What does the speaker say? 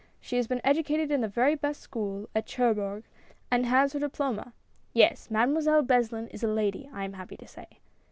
She has been educated in the very best school, at Cherbourg, and she has her diploma I Yes, Mademoiselle Beslin is a lady, I am happy to say."